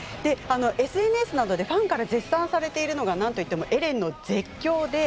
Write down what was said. ＳＮＳなどでファンから絶賛されているのがエレンの絶叫です。